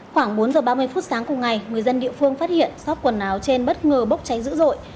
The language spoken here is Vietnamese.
khoảng bốn giờ ba mươi phút sáng cùng ngày người dân địa phương phát hiện sóc quần áo trên bất ngờ bốc cháy dữ dội